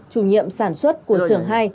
chủ nhiệm sản xuất của xưởng hai